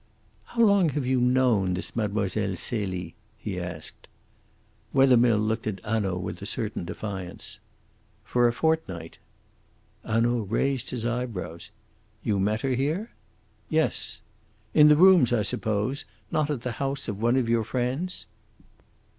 "How long have you known this Mlle. Celie?" he asked. Wethermill looked at Hanaud with a certain defiance. "For a fortnight." Hanaud raised his eyebrows. "You met her here?" "Yes." "In the rooms, I suppose? Not at the house of one of your friends?"